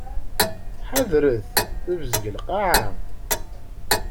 Ḥadret! Tebzeg lqaεa.